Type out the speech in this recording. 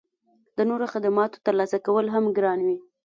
د نورو خدماتو ترلاسه کول هم ګران وي